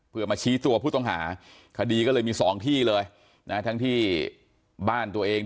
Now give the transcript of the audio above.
เพื่อมาชี้ตัวผู้ต้องหาคดีก็เลยมีสองที่เลยนะทั้งที่บ้านตัวเอง